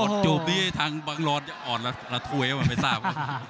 อดจูบดีทางบังรอนด์อ่อนละถ่วยว่ะไม่ทราบ